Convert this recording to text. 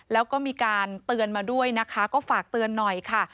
แล้วก็มีการเตือนมาด้วยนะคะก็ฝากเตือนหน่อยค่ะ